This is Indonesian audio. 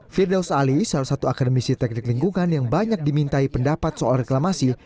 firdaus ali salah satu akademisi teknik lingkungan yang banyak dimintai pendapat soal reklamasi